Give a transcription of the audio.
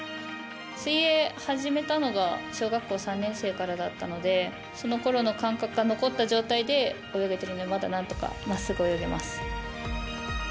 水泳を始めたが小学校３年生からだったのでそのころの感覚が残った状態で泳げているので、まだなんとかまっすぐ泳げます。